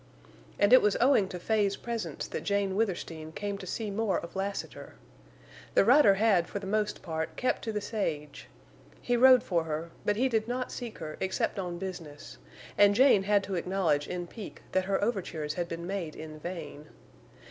And it was owing to Fay's presence that Jane Withersteen came to see more of Lassiter. The rider had for the most part kept to the sage. He rode for her, but he did not seek her except on business; and Jane had to acknowledge in pique that her overtures had been made in vain.